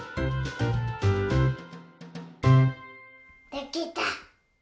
できた！